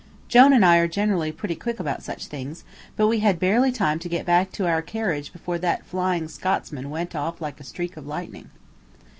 Jone and I are generally pretty quick about such things, but we had barely time to get back to our carriage before that "Flying Scotsman" went off like a streak of lightning.